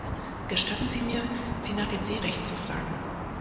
Gestatten Sie mir, Sie nach dem Seerecht zu fragen.